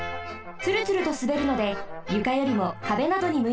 つるつるとすべるのでゆかよりもかべなどにむいています。